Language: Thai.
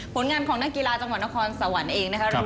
ผลงานของนักกีฬาจังหวัดนครสวรรค์เองนะครับ